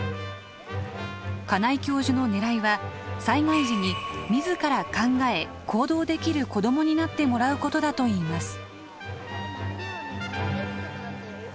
金井教授の狙いは災害時に自ら考え行動できる子どもになってもらうことだといいます。